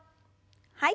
はい。